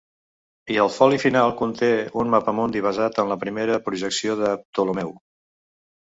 I el foli final conté un mapamundi basat en la primera projecció de Ptolemeu.